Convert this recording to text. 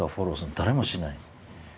誰もしない。